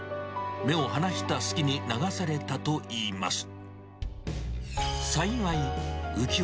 目を離したすきに流されたといいます。